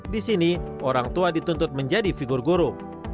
di sini orang tua dituntut menjadi figur guru